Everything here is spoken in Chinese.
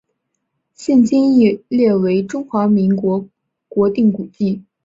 现今亦列为中华民国国定古迹。